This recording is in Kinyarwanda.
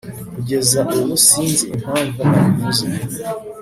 kugeza ubu sinzi impamvu nabivuze